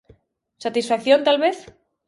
Satisfacción talvez?